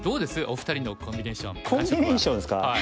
お二人のコンビネーション感触は。